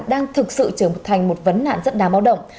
đang thực sự trở thành một vấn nạn rất đáng báo động